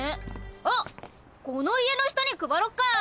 あっこの家の人に配ろっか。